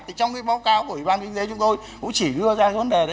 thì trong cái báo cáo của ủy ban kinh tế chúng tôi cũng chỉ đưa ra cái vấn đề đấy